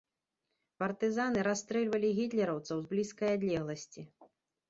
Партызаны расстрэльвалі гітлераўцаў з блізкай адлегласці.